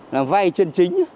là vay chân chính